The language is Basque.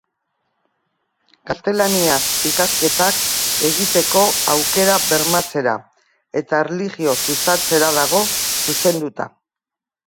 Gaztelaniaz ikasketak egiteko aukera bermatzera eta erlijio sustatzera dago zuzenduta.